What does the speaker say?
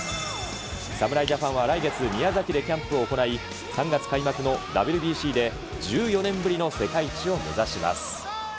侍ジャパンは来月、宮崎でキャンプを行い、３月開幕のＷＢＣで、１４年ぶりの世界一を目指します。